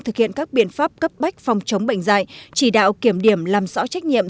thực hiện các biện pháp cấp bách phòng chống bệnh dạy chỉ đạo kiểm điểm làm rõ trách nhiệm